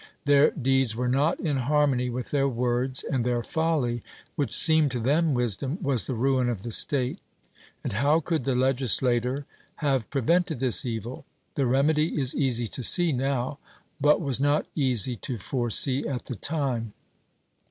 Their deeds were not in harmony with their words, and their folly, which seemed to them wisdom, was the ruin of the state. And how could the legislator have prevented this evil? the remedy is easy to see now, but was not easy to foresee at the time.